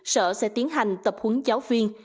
sở sẽ tiến hành tập huấn giáo viên